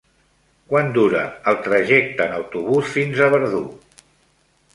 Quant dura el trajecte en autobús fins a Verdú?